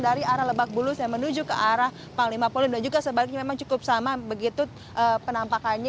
dari arah lebak bulus yang menuju ke arah panglima polim dan juga sebaliknya memang cukup sama begitu penampakannya